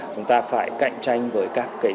chúng ta phải cạnh tranh với các cái